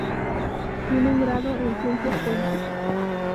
Tiene un grado en Ciencias Políticas.